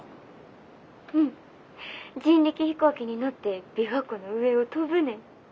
☎うん人力飛行機に乗って琵琶湖の上を飛ぶねん。